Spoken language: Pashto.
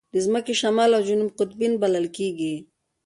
د ځمکې شمال او جنوب قطبین بلل کېږي.